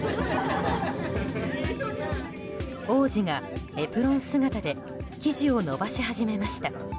王子がエプロン姿で生地を伸ばし始めました。